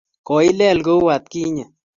koileel kou atkinye